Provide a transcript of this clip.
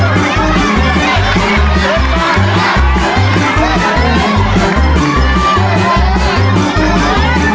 รอพี่เตี้ยมารอพี่เตี้ยมา